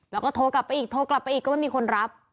แล้วก็โทรกลับไปอีกโทรกลับไปอีกก็ไม่มีคนรับ